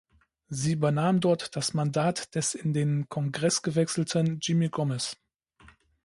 Sie übernahm dort das Mandat des in den Kongress gewechselten Jimmy Gomez.